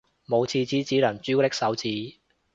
冇廁紙只能朱古力手指